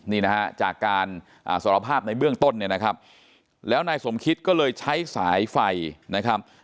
นี่นะฮะจากการสารภาพในเบื้องต้นเนี่ยนะครับแล้วนายสมคิดก็เลยใช้สายไฟนะครับ